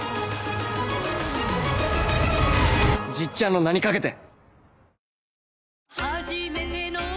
じっちゃんの名にかけて！